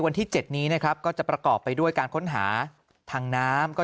วันที่๗นี้นะครับก็จะประกอบไปด้วยการค้นหาทางน้ำ